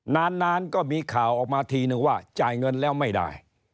นานก็มีข่าวออกมาทีนึงว่าจ่ายเงินแล้วไม่ได้